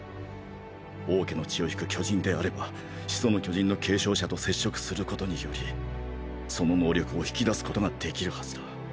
「王家の血を引く巨人」であれば「始祖の巨人」の継承者と接触することによりその能力を引き出すことができるはずだ。